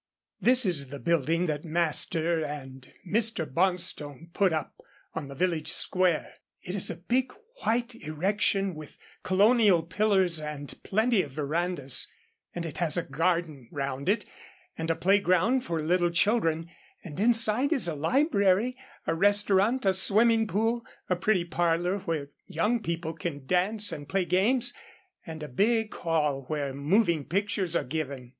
This is the building that master and Mr. Bonstone put up on the village square. It is a big white erection with colonial pillars and plenty of verandas, and it has a garden round it, and a playground for little children, and inside is a library, a restaurant, a swimming pool, a pretty parlour where young people can dance and play games, and a big hall where moving pictures are given.